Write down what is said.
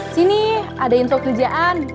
sini ada info kerjaan